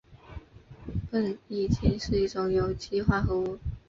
苯乙腈是一种有机化合物。